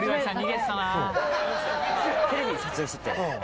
テレビ撮影してて。